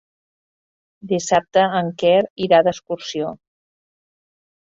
Dissabte en Quer irà d'excursió.